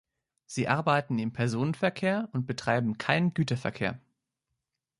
Sie arbeiten im Personenverkehr und betreiben keinen Güterverkehr.